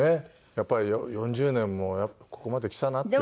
やっぱり４０年もここまできたなっていうのは。